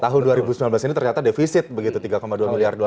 tahun dua ribu sembilan belas ini ternyata defisit begitu tiga dua miliar dolar